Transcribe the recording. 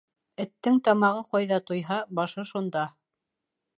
Эттең тамағы ҡайҙа туйһа, башы шунда.